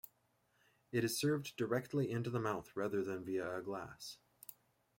It is served directly into the mouth rather than via a glass.